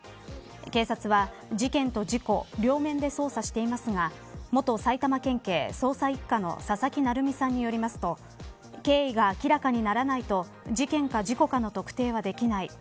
警察は、事件と事故両面で捜査していますが元埼玉県警捜査一課の佐々木成三さんよるよりますと経緯が明らかにならないと事件か事故かの特定はできない。